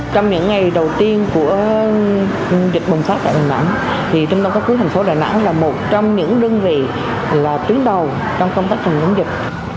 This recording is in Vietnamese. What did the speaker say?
trong những ngày đầu tiên của dịch bùng phát tại đà nẵng thì trung tâm cấp cứu thành phố đà nẵng là một trong những đơn vị là tuyến đầu trong công tác phòng chống dịch